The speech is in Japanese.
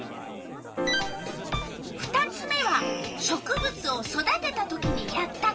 ２つ目は植物を育てた時にやったこと。